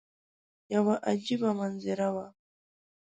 یوه عجیبه منظره وه.